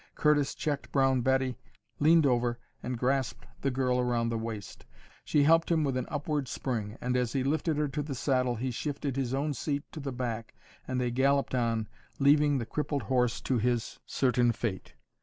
Curtis checked Brown Betty, leaned over, and grasped the girl around the waist. She helped him with an upward spring, and as he lifted her to the saddle he shifted his own seat to the back, and they galloped on, leaving the crippled horse to his certain fate.